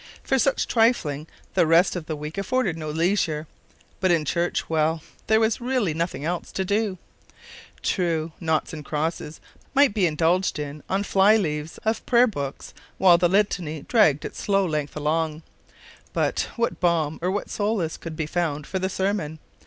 For such trifling the rest of the week afforded no leisure; but in church well, there was really nothing else to do! True, naughts and crosses might be indulged in on fly leaves of prayer books while the Litany dragged its slow length along; but what balm or what solace could be found for the sermon?